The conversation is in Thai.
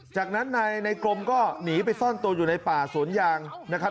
จากนั้นนายในกรมก็หนีไปซ่อนตัวอยู่ในป่าสวนยางนะครับ